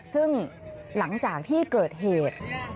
ซึ่งหลังจากที่เกิดเหตุ